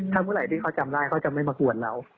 ถ้าเมื่อไหร่ที่เขาจำได้เขาจะไม่มากวนเรา